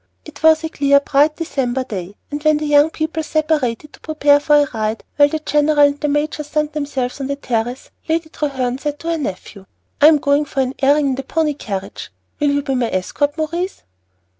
It was a clear, bright December day, and when the young people separated to prepare for a ride, while the general and the major sunned themselves on the terrace, Lady Treherne said to her nephew, "I am going for an airing in the pony carriage. Will you be my escort, Maurice?"